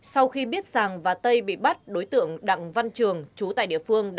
sau khi biết sàng và tây bị bắt đối tượng đặng văn trường chú tại địa phương đã